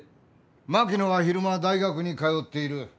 槙野は昼間大学に通っている。